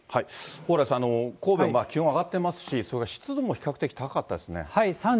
蓬莱さん、神戸も気温上がってますし、湿度も比較的高かったですね。